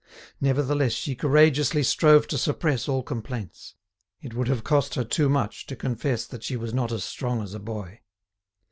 Nevertheless she courageously strove to suppress all complaints; it would have cost her too much to confess that she was not as strong as a boy.